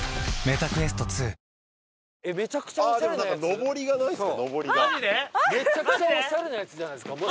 めちゃくちゃオシャレなやつじゃないですか？